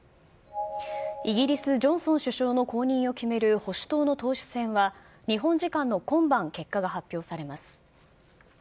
イギリス、ジョンソン首相の後任を決める保守党の党首選は、日本時間の今晩、結果が発表されます。